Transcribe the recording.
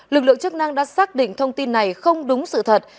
lực lượng chức năng đã xác định thông tin này không đúng sự thật